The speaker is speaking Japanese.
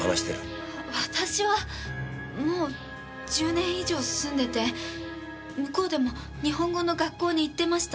私はもう１０年以上住んでて向こうでも日本語の学校に行ってました。